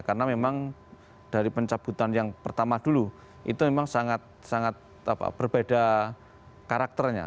karena memang dari pencabutan yang pertama dulu itu memang sangat berbeda karakternya